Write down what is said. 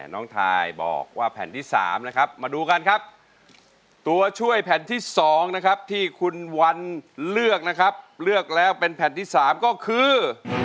น้องทายบอกว่าแผ่นที่๓นะครับมาดูกันครับตัวช่วยแผ่นที่๒นะครับที่คุณวันเลือกนะครับเลือกแล้วเป็นแผ่นที่๓ก็คือ